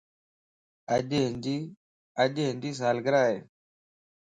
اڄ ھنجي سالگره ائي